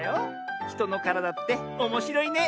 ひとのからだっておもしろいね。